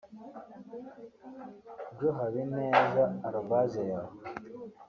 joehabineza@yahoo